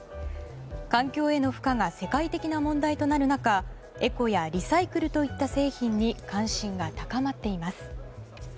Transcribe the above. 環境への負荷が世界的な問題となる中、エコやリサイクルといった製品に関心が高まっています。